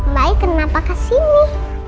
mbak i kenapa ke sini